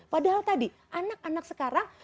padahal tadi anak anak sekarang